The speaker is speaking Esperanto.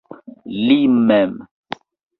Li mem.